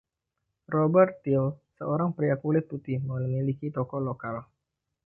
Robert Teel, seorang pria kulit putih, memiliki toko lokal.